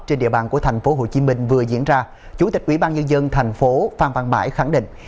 trên địa bàn của tp hcm vừa diễn ra chủ tịch ubnd tp phan văn bãi khẳng định